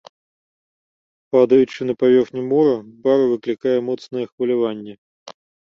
Падаючы на паверхню мора, бара выклікае моцнае хваляванне.